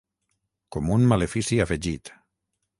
Com un malefici afegit.